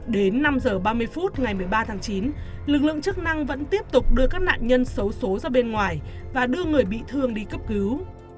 đến năm h ba mươi phút ngày một mươi ba tháng chín lực lượng chức năng vẫn tiếp tục đưa các nạn nhân xấu xố ra bên ngoài và đưa người bị thương đi cấp cứu